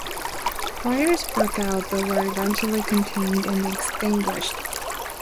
Fires broke out but were eventually contained and extinguished.